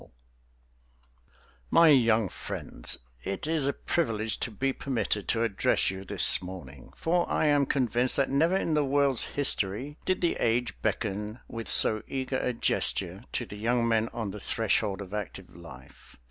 _) My young friends It is a privilege to be permitted to address you this morning, for I am convinced that never in the world's history did the age beckon with so eager a gesture to the young men on the threshold of active life.